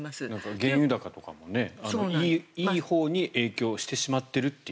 原油高とかもいいほうに影響してしまっているという。